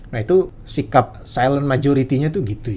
nah itu sikap silent majority nya itu gitu ya